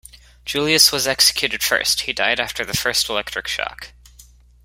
Julius was executed first; he died after the first electric shock.